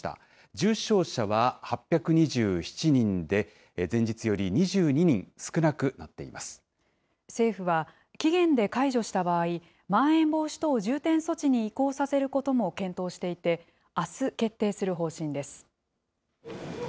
重症者は８２７人で、前日より２政府は、期限で解除した場合、まん延防止等重点措置に移行させることも検討していて、あす、決定する方針です。